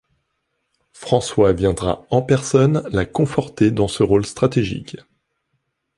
François viendra en personne la conforter dans ce rôle stratégique.